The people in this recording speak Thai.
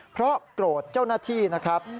เพราะโกรธเจ้าหน้าที่นะครับ